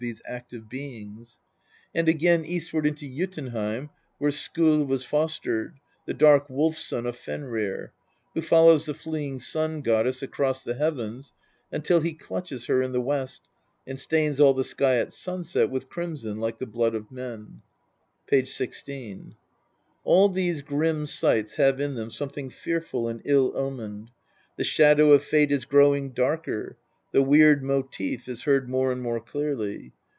these active beings ; and again eastward into Jotunheim, where Skoll was fostered, the dark wolf son of Fenrir, who tollows the fleeing Sun goddess across the heavens until he clutches her in the west, and stains all the sky at sunset with crimson like the blood of men (p. xvi.). All these grim sights have in them something fearful and ill omened ; the shadow of fate is growing darker, the Weird motive is heard more and more clearly.